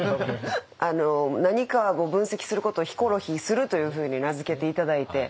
何か分析することを「ヒコロヒーする」というふうに名付けて頂いて。